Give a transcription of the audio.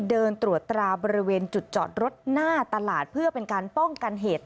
เดินตรวจตราบริเวณจุดจอดรถหน้าตลาดเพื่อเป็นการป้องกันเหตุ